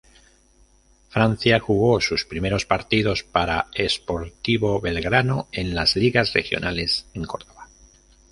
Francia jugó sus primeros partidos para Sportivo Belgrano en las ligas regionales en Córdoba.